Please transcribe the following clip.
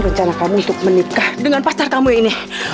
raul attending anak ini